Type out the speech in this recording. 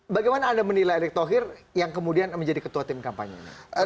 bagaimana anda menilai erick thohir yang kemudian menjadi ketua tim kampanye